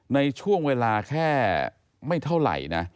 ในช่วงเวลาแค่ไม่เท่าไหร่นะ